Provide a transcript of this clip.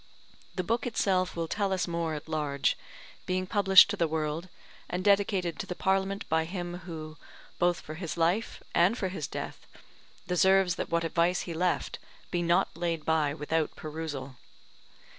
The book itself will tell us more at large, being published to the world, and dedicated to the Parliament by him who, both for his life and for his death, deserves that what advice he left be not laid by without perusal.